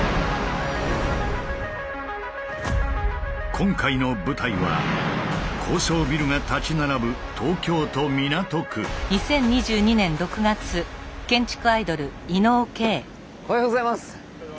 今回の舞台は高層ビルが立ち並ぶおはようございます！